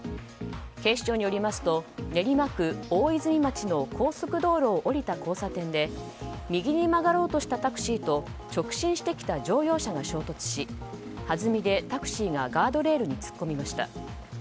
警視庁によりますと練馬区大泉町の高速道路を降りた交差点で右に曲がろうとしたタクシーと直進してきた乗用車が衝突しはずみでタクシーがガードレールに突っ込みました。